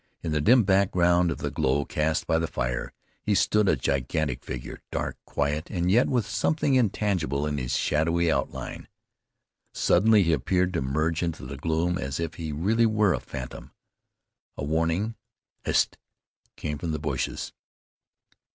In the dim background of the glow cast by the fire, he stood a gigantic figure, dark, quiet, and yet with something intangible in his shadowy outline. Suddenly he appeared to merge into the gloom as if he really were a phantom. A warning, "Hist!" came from the bushes.